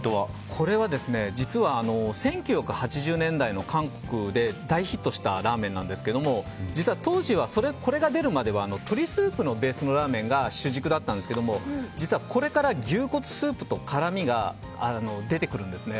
これは実は１９８０年代の韓国で大ヒットしたラーメンなんですけど実は当時はこれが出るまでは鶏スープのラーメンが主軸だったんですけど実はこれから牛骨スープと辛みが出てくるんですね。